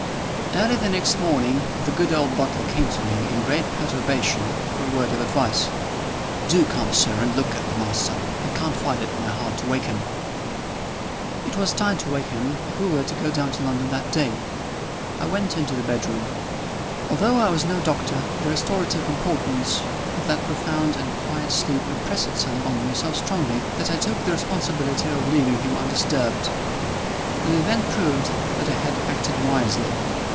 VIII. EARLY the next morning, the good old butler came to me, in great perturbation, for a word of advice. "Do come, sir, and look at the master! I can't find it in my heart to wake him." It was time to wake him, if we were to go to London that day. I went into the bedroom. Although I was no doctor, the restorative importance of that profound and quiet sleep impressed itself on me so strongly, that I took the responsibility of leaving him undisturbed. The event proved that I had acted wisely.